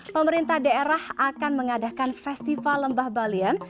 pemerintah daerah akan mengadakan festival lembah baliem